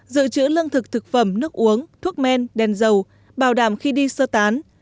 giữ chữ lương thực thực phẩm nước uống thuốc men đen dầu bảo đảm khi đi sơ tán